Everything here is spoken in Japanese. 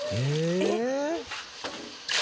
えっ？